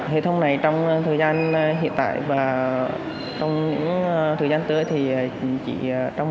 hệ thống này trong thời gian hiện tại và trong những thời gian tới thì chỉ trong